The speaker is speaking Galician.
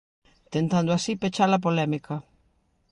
Tentando así pechar a polémica.